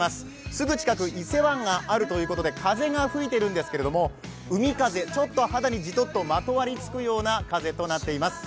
すぐ近く、伊勢湾があるということで風が吹いているんですけど海風、ちょっと肌にじとっとまとわりつくような風となっています。